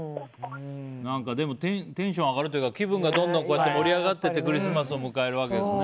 でも、テンション上がるというか気分がどんどんと盛り上がっていってクリスマスを迎えるんですね。